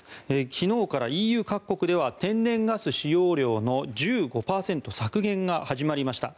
昨日からＥＵ各国では天然ガス使用量の１５％削減が始まりました。